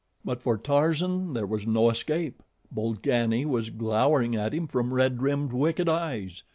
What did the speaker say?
But for Tarzan there was no escape. Bolgani was glowering at him from red rimmed, wicked eyes.